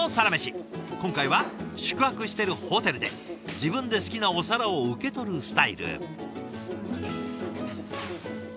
今回は宿泊してるホテルで自分で好きなお皿を受け取るスタイル。